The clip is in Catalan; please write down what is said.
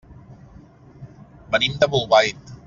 Venim de Bolbait.